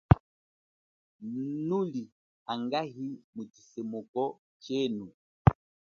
Nuli angahi mutshisemuko chenu ?